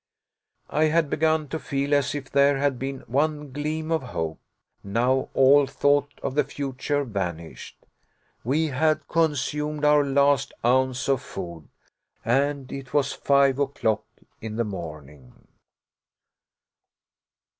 I had begun to feel as if there had been one gleam of hope. Now all thought of the future vanished! We had consumed our last ounce of food, and it was five o'clock in the morning!